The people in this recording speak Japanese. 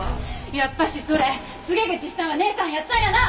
やっぱしそれ告げ口したんは姉さんやったんやな！